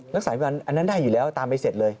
รักษาพันธ์อันนั้นได้อยู่แล้วตามไปเสร็จเลย